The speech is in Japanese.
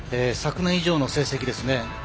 昨年以上の成績ですね。